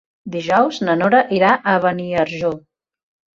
Dijous na Nora irà a Beniarjó.